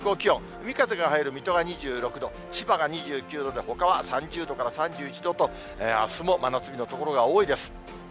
海風が入る水戸が２６度、千葉が２９度で、ほかは３０度から３１度と、あすも真夏日の所が多いです。